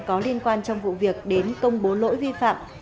có liên quan trong vụ việc đến công bố lỗi vi phạm